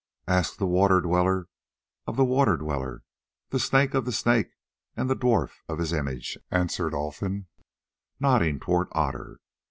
"Ask the Water dweller of the water dweller, the Snake of the snake, and the Dwarf of his image," answered Olfan, nodding towards Otter.